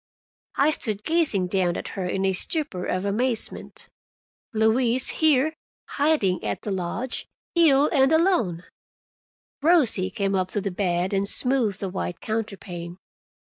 I stood gazing down at her in a stupor of amazement. Louise here, hiding at the lodge, ill and alone! Rosie came up to the bed and smoothed the white counterpane.